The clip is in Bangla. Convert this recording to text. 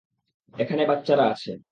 এখানে বাচ্চারা আছে।